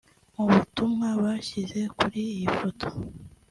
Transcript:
Mu butumwa bashyize kuri iyi foto